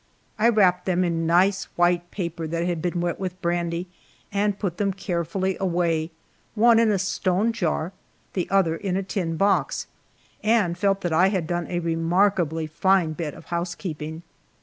I wrapped them in nice white paper that had been wet with brandy, and put them carefully away one in a stone jar, the other in a tin box and felt that I had done a remarkably fine bit of housekeeping.